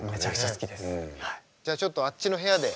じゃあちょっとあっちの部屋で。